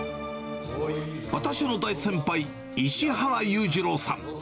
私の大先輩、石原裕次郎さん。